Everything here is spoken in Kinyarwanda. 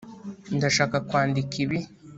Ndashaka kwandika ibi